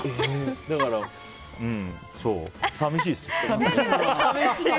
だから、寂しいですよ。